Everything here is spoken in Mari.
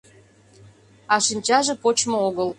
А шинчаже почмо огыл.